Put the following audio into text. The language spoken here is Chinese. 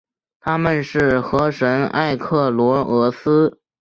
她们是河神埃克罗厄斯。